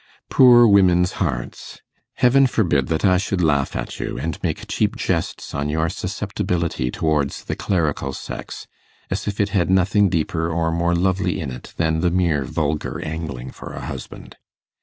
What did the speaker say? Poor women's hearts! Heaven forbid that I should laugh at you, and make cheap jests on your susceptibility towards the clerical sex, as if it had nothing deeper or more lovely in it than the mere vulgar angling for a husband.